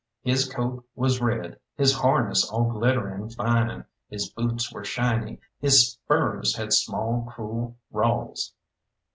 His coat was red, his harness all glittering fine, his boots were shiny, his spurs had small cruel rowels.